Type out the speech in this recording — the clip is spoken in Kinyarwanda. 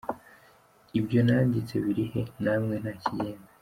ibyo nanditse biri he? namwe nta kigenda.